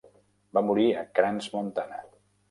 Va morir a Crans-Montana.